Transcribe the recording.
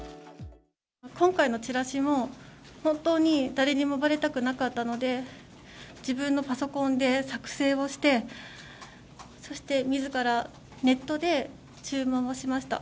今回のチラシも、本当に誰にもばれたくなかったので、自分のパソコンで作成をして、そしてみずからネットで注文をしました。